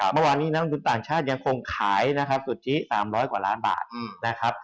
เมื่อวานนี้นางดุต่างชาติยังคงขายสุทธิ๓๐๐กว่าล้านบาท